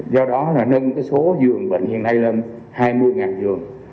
do đó nâng số dương bệnh hiện nay lên hai mươi dương